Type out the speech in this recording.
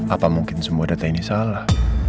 apa mungkin semua data ini salah